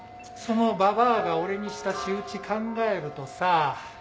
そのババアが俺にした仕打ち考えるとさぁ。